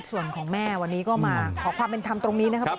ส่วนของแม่วันนี้ก็มาขอความเป็นธรรมตรงนี้นะครับ